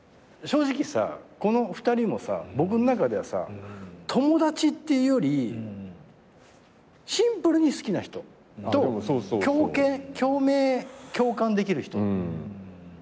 正直さこの２人もさ僕の中では友達っていうよりシンプルに好きな人と共鳴共感できる人っていう存在。